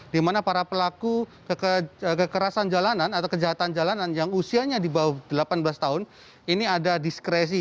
di mana para pelaku kekerasan jalanan atau kejahatan jalanan yang usianya di bawah delapan belas tahun ini ada diskresi